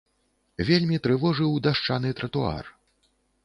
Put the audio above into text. Вельмі трывожыў дашчаны тратуар.